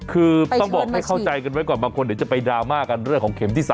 คือต้องบอกให้เข้าใจกันไว้ก่อนบางคนเดี๋ยวจะไปดราม่ากันเรื่องของเข็มที่๓